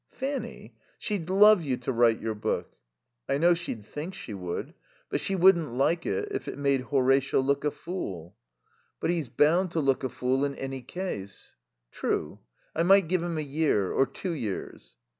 "Fanny? She'd love you to write your book." "I know she'd think she would. But she wouldn't like it if it made Horatio look a fool." "But he's bound to look a fool in any case." "True. I might give him a year, or two years."